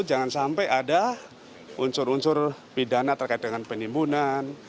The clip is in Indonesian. jangan sampai ada unsur unsur pidana terkait dengan penimbunan